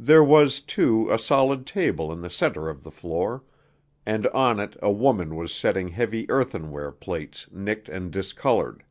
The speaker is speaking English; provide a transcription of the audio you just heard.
There was, too, a solid table in the center of the floor; and on it a woman was setting heavy earthenware plates nicked and discolored.